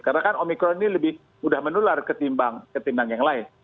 karena kan omikron ini lebih mudah menular ketimbang yang lain